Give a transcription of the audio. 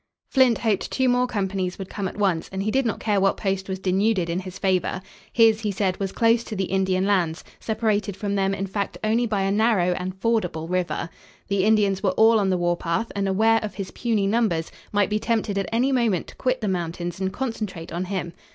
Flint hoped two more companies could come at once, and he did not care what post was denuded in his favor. His, he said, was close to the Indian lands, separated from them, in fact, only by a narrow and fordable river. The Indians were all on the warpath and, aware of his puny numbers, might be tempted at any moment to quit the mountains and concentrate on him.